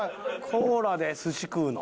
コーラで寿司食うの？